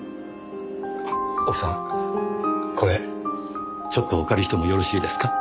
奥さんこれちょっとお借りしてもよろしいですか？